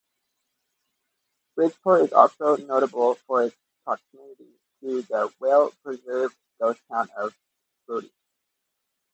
Bridgeport is also notable for its proximity to the well-preserved ghost town of Bodie.